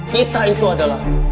kita itu adalah